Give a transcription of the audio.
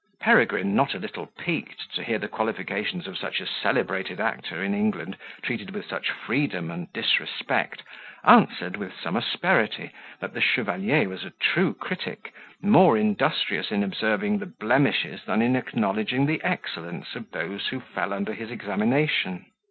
Peregrine, not a little piqued to hear the qualifications of such a celebrated actor in England treated with such freedom and disrespect, answered, with some asperity, that the chevalier was a true critic, more industrious in observing the blemishes than in acknowledging the excellence of those who fell under his examination.